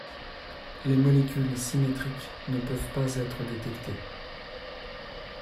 Les molécules symétriques ne peuvent pas être détectées.